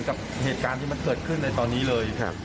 กับเหตุการณ์ที่มันเกิดขึ้นในตอนนี้เลยครับ